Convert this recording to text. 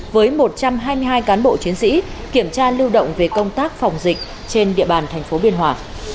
với một trăm hai mươi hai cán bộ chiến sĩ kiểm tra lưu động về công tác phòng dịch trên địa bàn thành phố biên hòa